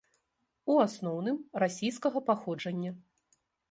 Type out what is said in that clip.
У асноўным, расійскага паходжання.